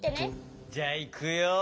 じゃあいくよ。